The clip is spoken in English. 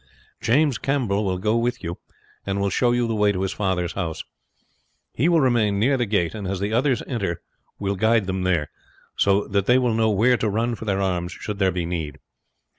James Campbell will go with you, and will show you the way to his father's house. He will remain near the gate, and as the others enter will guide them there, so that they will know where to run for their arms should there be need.